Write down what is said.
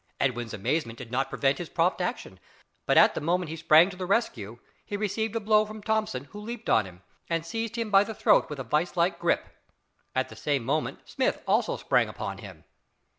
Edwin's amazement did not prevent his prompt action; but at the moment he sprang to the rescue, he received a blow from Thomson, who leaped on him, and seized him by the throat with a vice like gripe. At the same moment Smith also sprang upon him.